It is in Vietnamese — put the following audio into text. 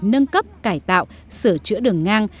nâng cấp cải tạo sửa chữa đường ngang